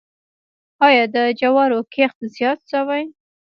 آیا د جوارو کښت زیات شوی؟